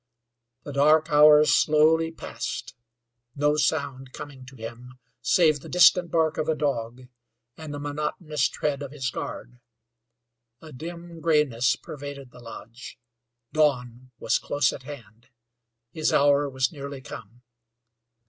The dark hours slowly passed, no sound coming to him save the distant bark of a dog and the monotonous tread of his guard; a dim grayness pervaded the lodge. Dawn was close at hand his hour was nearly come.